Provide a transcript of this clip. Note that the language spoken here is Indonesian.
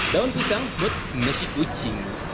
daun pisang buat mesi kucing